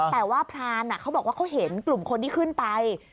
แต่ว่าพรานเขาบอกว่าเขาเห็นกลุ่มคนที่ขึ้นไป